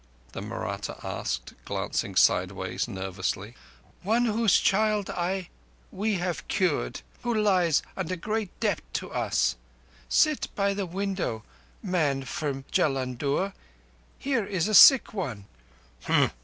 _" the Mahratta asked, glancing sideways nervously. "One whose child I—we have cured, who lies under great debt to us. Sit by the window, man from Jullundur. Here is a sick one."